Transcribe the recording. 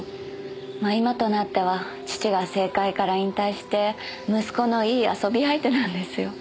まぁ今となっては父が政界から引退して息子のいい遊び相手なんですよ。